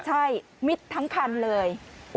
ใช่มิดทั้งคันเลย